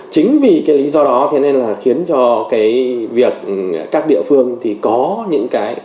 chính vì cái lý do đó thế nên là khiến cho cái việc các địa phương thì có những cái